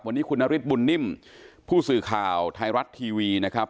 วันนี้คุณนฤทธิบุญนิ่มผู้สื่อข่าวไทยรัฐทีวีนะครับ